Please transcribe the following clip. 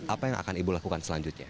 apa yang akan ibu lakukan selanjutnya